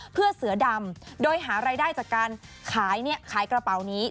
เพื่อเสือดำโดยหารายได้จากการขายกระเป๋านี้